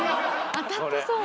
当たってそう。